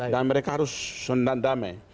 dan mereka harus sendan damai